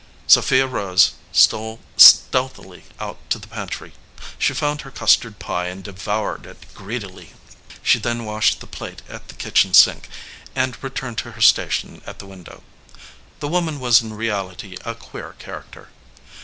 Sophia rose, stole stealthily out to the pantry. She found her custard pie and devoured it greedily. She then washed the plate at the kitchen sink and returned to her station at the window. The woman was in reality a queer character.